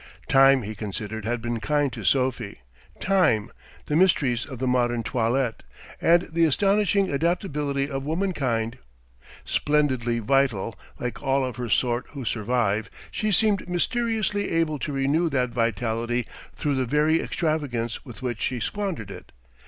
Time, he considered, had been kind to Sophie time, the mysteries of the modern toilette, and the astonishing adaptability of womankind. Splendidly vital, like all of her sort who survive, she seemed mysteriously able to renew that vitality through the very extravagance with which she squandered it.